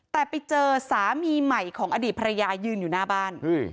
แต่ไปเจอสามีใหม่ของอดีตภรรยายืนอยู่หน้าบ้าน